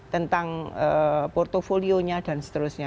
tentang portfolio nya dan seterusnya